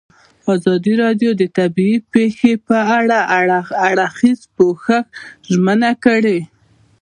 ازادي راډیو د طبیعي پېښې په اړه د هر اړخیز پوښښ ژمنه کړې.